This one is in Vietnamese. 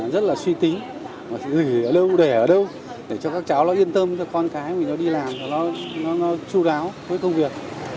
rất là suy tính để ở đâu để ở đâu để cho các cháu yên tâm cho con cái mình nó đi làm nó chú đáo với công việc